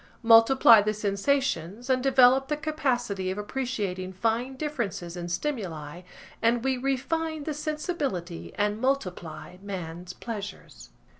Multiply the sensations, and develop the capacity of appreciating fine differences in stimuli and we refine the sensibility and multiply man's pleasures.